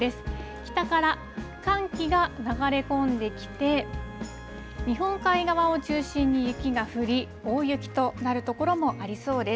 北から寒気が流れ込んできて、日本海側を中心に、雪が降り、大雪となる所もありそうです。